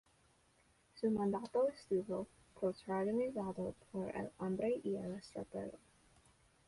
Su mandato estuvo protagonizado por el hambre y el estraperlo.